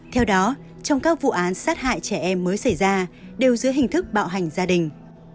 theo đó trong các vụ án sát hại trẻ em mới xảy ra đều dưới hình thức bạo hành gia đình